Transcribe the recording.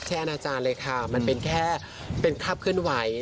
แช่นอาจารย์เลยค่ะมันเป็นแค่เป็นคลับขึ้นไหว